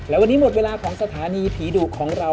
และวันนี้หมดเวลาของสถานีผีดุของเรา